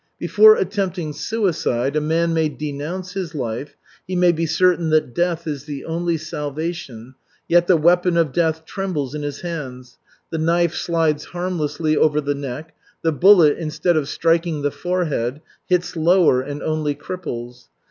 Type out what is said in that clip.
Before attempting suicide a man may denounce his life, he may be certain that death is the only salvation, yet the weapon of death trembles in his hands, the knife slides harmlessly over the neck, the bullet, instead of striking the forehead, hits lower and only cripples.